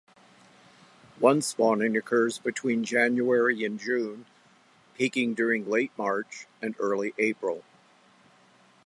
One Spawning occurs between January and June, peaking during late March and early April.